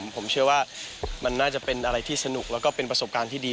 ผมเชื่อว่ามันน่าจะเป็นอะไรที่สนุกแล้วก็เป็นประสบการณ์ที่ดี